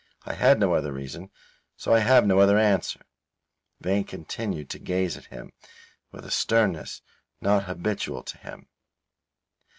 I had no other reason. So I have no other answer." Vane continued to gaze at him with a sternness not habitual to him.